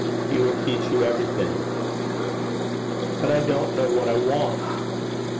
He will teach you everything.' 'But I don't know what I want.'